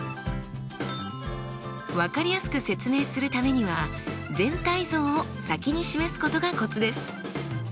分かりやすく説明するためには全体像を先に示すことがコツです。